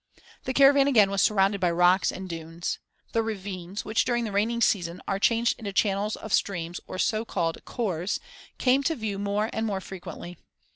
The caravan again was surrounded by rocks and dunes. The ravines, which during the rainy season are changed into channels of streams, or so called "khors," came to view more and more frequently.